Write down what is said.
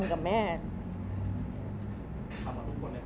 ทำกับทุกคนในครอบครัว